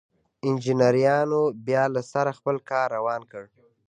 انجنيرانو بيا له سره خپل کار روان کړ.